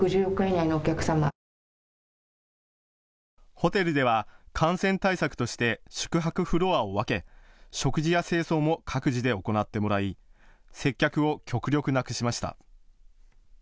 ホテルでは感染対策として宿泊フロアを分け、食事や清掃も各自で行ってもらい、接客を極力なくしました。